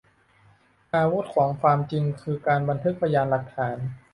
อาวุธของความจริงคือการบันทึกพยานหลักฐาน